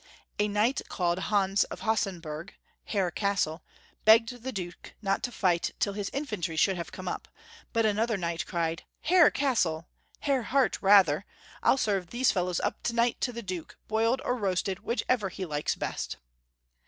A knight called Hans of Hasenburg (Hare Castle) begged the Duke not to fight till his infan try should have come up, but another knight cried, " Hare Castle ! Hare Heart rather ! Ill serve these fellows up to night to the Duke, boiled or roasted, whichever he likes best."